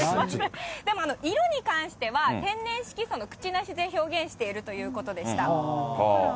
でも、色に関しては天然色素のクチナシで表現しているということでした。